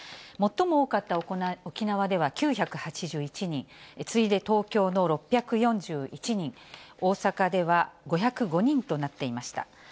最も多かった沖縄では９８１人、次いで東京の６４１人、大阪では５０５人となっていました。